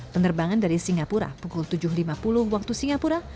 penerbangan dari singapura pukul tujuh lima puluh waktu singapura